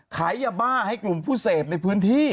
ขายยาบ้าให้กลุ่มผู้เสพในพื้นที่